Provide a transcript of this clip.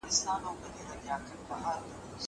زه د تکړښت لپاره تللي دي!